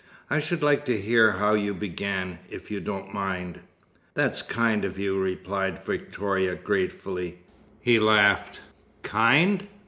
"I should like to hear how you began, if you don't mind." "That's kind of you," replied Victoria, gratefully. He laughed. "Kind!"